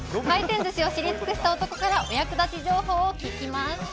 回転ずしを知り尽くした男からお役立ち情報を聞きます。